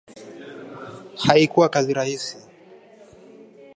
Haikuwa kazi rahisi